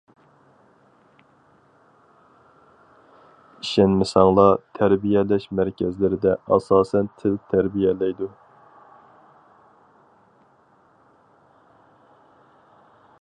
ئىشەنمىسەڭلا تەربىيەلەش مەركەزلىرىدە ئاساسەن تىل تەربىيەلەيدۇ.